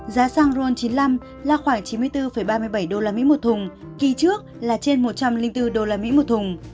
giá xăng ron chín mươi năm là khoảng chín mươi bốn ba mươi bảy usd một thùng kỳ trước là trên một trăm linh bốn usd một thùng